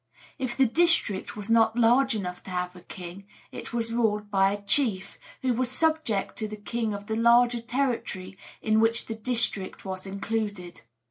If the district was not large enough to have a king, it was ruled by a chief, who was subject to the king of the larger territory in which the district was included.